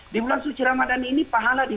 di bulan suci ramadan ini pahala di